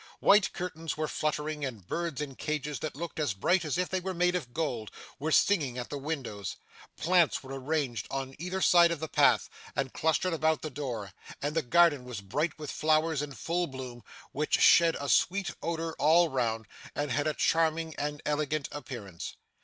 White curtains were fluttering, and birds in cages that looked as bright as if they were made of gold, were singing at the windows; plants were arranged on either side of the path, and clustered about the door; and the garden was bright with flowers in full bloom, which shed a sweet odour all round, and had a charming and elegant appearance.